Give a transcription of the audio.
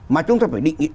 mà chúng ta phải định ý